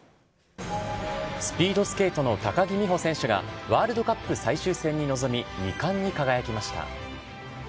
スピードスケートの高木美帆選手がワールドカップ最終戦に臨み、２冠に輝きました。